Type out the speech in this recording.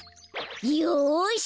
よし！